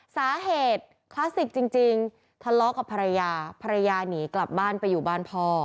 สาเหตุคลาสสิกจริงทะเลาะกับภรรยาภรรยาหนีกลับบ้านไปอยู่บ้านพ่อ